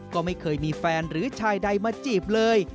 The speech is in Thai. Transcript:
ก็ไม่เคยมีแฟนหรือชายใดมาจีบเลย